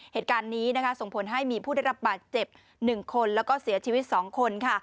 เหตุการณ์นี้ส่งผลให้มีผู้ได้รับบาดเจ็บ๑คนแล้วก็เสียชีวิต๒คน